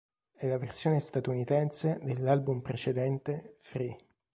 È la versione statunitense dell'album precedente Free.